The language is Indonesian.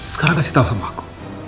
sekarang kasih tahu sama aku